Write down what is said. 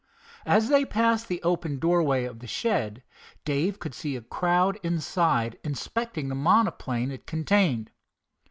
As they passed the open doorway of the shed Dave could see a crowd inside inspecting the monoplane it contained.